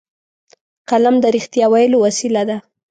قلم د رښتیا ویلو وسیله ده